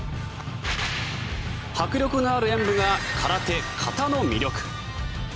迫力のある演武が空手形の魅力。